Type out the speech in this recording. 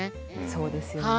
そうですよね。